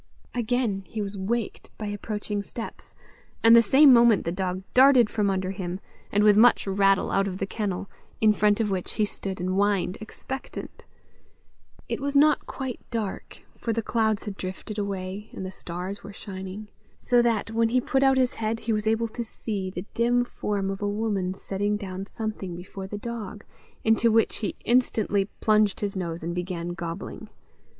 Again he was waked by approaching steps, and the same moment the dog darted from under him, and with much rattle out of the kennel, in front of which he stood and whined expectant. It was not quite dark, for the clouds had drifted away, and the stars were shining, so that, when he put out his head, he was able to see the dim form of a woman setting down something before the dog into which he instantly plunged his nose, and began gobbling.